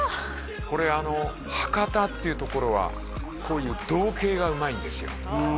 これ博多っていうところはこういう同系がうまいんですよ